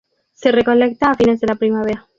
Se recolecta a fines de la primavera.